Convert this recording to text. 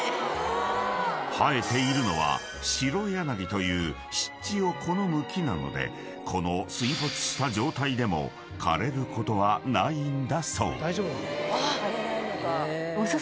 ［生えているのはシロヤナギという湿地を好む木なのでこの水没した状態でも枯れることはないんだそう］